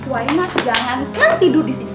wainah jangankan tidur di sini